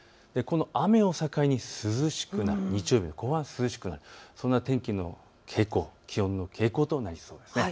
雨を境に日曜日、涼しくなるそんな天気の傾向、気温の傾向となりそうです。